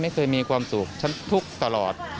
ไม่เคยมีความสุขฉันทุกข์ตลอด